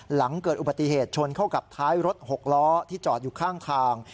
หลังเกิดอุบัติเหตุชนเข้ากับท้ายรถหกล้อที่จอดอยู่ข้างทาง